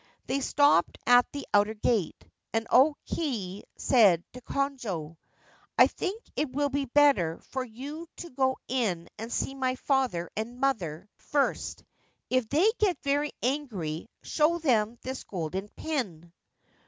They stopped at the outer gate, and O Kei said to Konojo, * I think it will be better for you to go in and see my father and mother 7 Ancient Tales and Folklore of Japan first. If they get very angry show them this golden pin.'